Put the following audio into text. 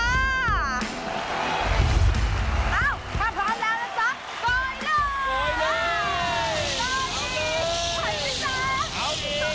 เอ้าพร้อมพร้านแล้วแล้วจ๊ะปล่อยเลย